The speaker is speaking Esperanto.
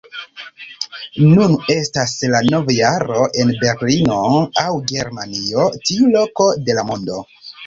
Nun estas la novjaro en Berlino, aŭ Germanio, tiu loko de la mondo